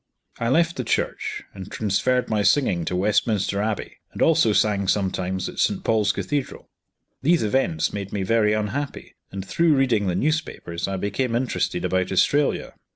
I left the church, and transferred my singing to Westminster Abbey, and also sang sometimes at St. Paul's Cathedral. These events made me very unhappy; and, through reading the newspapers, I became interested about Australia.